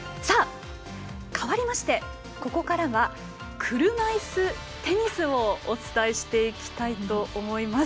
かわりましてここからは車いすテニスをお伝えしていきたいと思います。